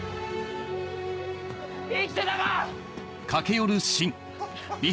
生きてたか！